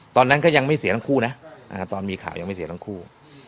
ตอนนั้นก็ยังไม่เสียทั้งคู่นะตอนมีข่าวยังไม่เสียทั้งคู่